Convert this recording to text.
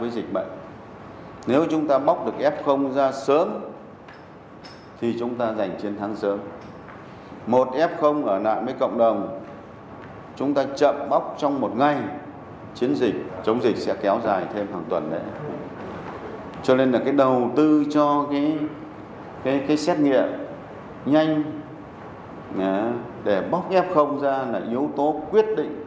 để bóc f ra là yếu tố quyết định đến thời gian chống dịch